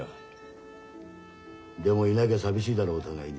でもいなきゃ寂しいだろお互いに。